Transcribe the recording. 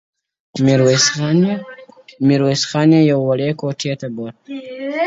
• په خپل ژوند یې دومره شته نه وه لیدلي -